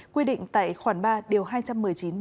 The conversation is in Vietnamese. quy định tại khoản ba điều hai trăm một mươi chín bộ luật hình sự